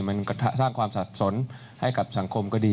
มันก็สร้างความสับสนให้กับสังคมก็ดี